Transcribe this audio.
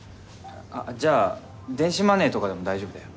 あじゃあ電子マネーとかでも大丈夫だよ。